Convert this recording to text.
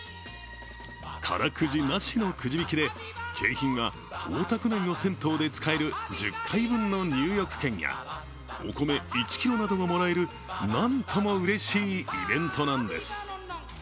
空くじなしのくじ引きで、景品は大田区内の銭湯で使える１０回分の入浴券やお米１ｋｇなどがもらえるなんとも嬉しいイベントなんです。